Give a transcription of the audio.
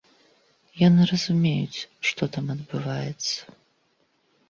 Яны разумеюць, што там адбываецца.